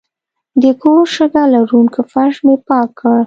د کور شګه لرونکی فرش مې پاک کړ.